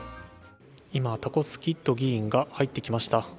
今タコスキッド市議が入ってきました。